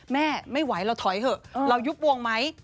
แม่ไม่ไหวเราถอยเถอะเรายุบวงไหม